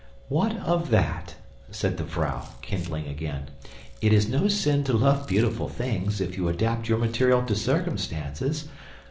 "What of that?" said the vrouw, kindling again. "It is no sin to love beautiful things if you adapt your material to circumstances.